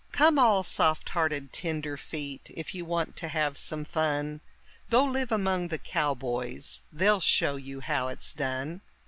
Come all soft hearted tenderfeet, if you want to have some fun; Go live among the cowboys, they'll show you how it's done.